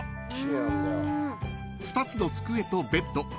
［２つの机とベッド。